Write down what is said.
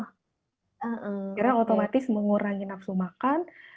karena otomatis mengurangi nafsu makan